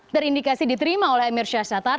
terindikasi diterima oleh emir syahshatar